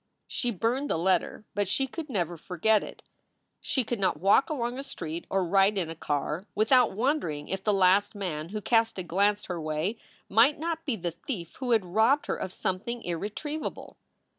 She burned the letter, but she could never forget it. She could not walk along a street or ride in a car without wonder ing if the last man who cast a glance her way might not be the thief who had robbed her of something irretrievable.